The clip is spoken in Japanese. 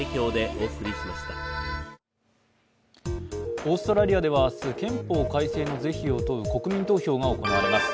オーストラリアでは明日、憲法改正の是非を問う国民投票が行われます。